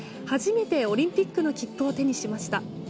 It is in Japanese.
初めてオリンピックの切符を手にしました。